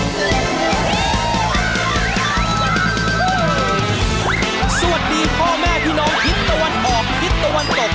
สวัสดีพ่อแม่พี่น้องทิศตะวันออกทิศตะวันตก